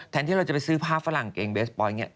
แทนที่เราจะไปซื้อผ้าฝรั่งเกงเบสปอยอย่างนี้